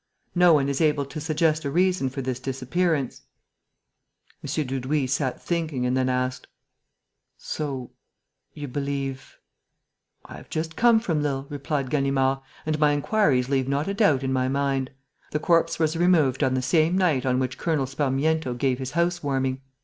No one is able to suggest a reason for this disappearance." M. Dudouis sat thinking and then asked: "So ... you believe ...?" "I have just come from Lille," replied Ganimard, "and my inquiries leave not a doubt in my mind. The corpse was removed on the same night on which Colonel Sparmiento gave his house warming.